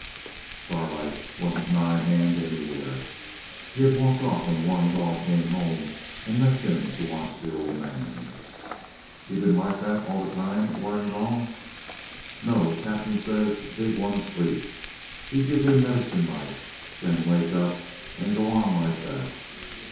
Starlight wasn't nigh hand anywhere. He had walked off when Warrigal came home, and left him to watch the old man. 'He been like that all the time, Warrigal?' 'No! Captain say big one sleep. Him give him medicine like; then wake up and go on likit that.